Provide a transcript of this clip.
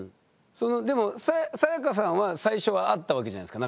でもサヤカさんは最初はあったわけじゃないですか。